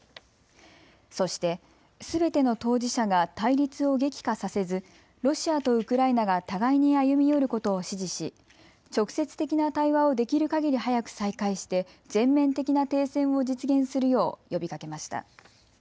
そして、すべての当事者が対立を激化させずロシアとウクライナが互いに歩み寄ることを支持し直接的な対話をできるかぎり早く再開して全面的な停戦を実現するよう呼びかけました。